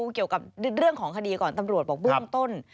เกี่ยวกับเรื่องของคดีก่อนตำรวจบอกเบื้องต้น